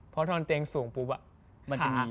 เพราะว่านอนเตียงสูงปุ๊บอ่ะ